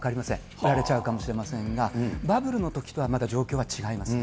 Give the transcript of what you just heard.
売られちゃうかもしれませんが、バブルのときとはまた状況が違いますね。